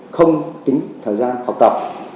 không tính thời gian học tập